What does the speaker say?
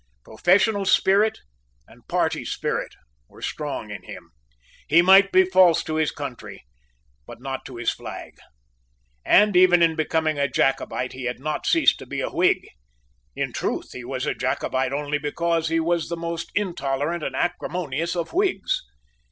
Professional spirit and party spirit were strong in him. He might be false to his country, but not to his flag; and, even in becoming a Jacobite, he had not ceased to be a Whig. In truth, he was a Jacobite only because he was the most intolerant and acrimonious of Whigs.